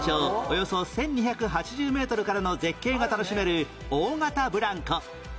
およそ１２８０メートルからの絶景が楽しめる大型ブランコ